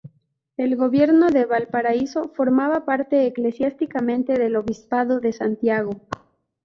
El Gobierno de Valparaíso formaba parte eclesiásticamente del obispado de Santiago.